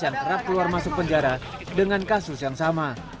yang kerap keluar masuk penjara dengan kasus yang sama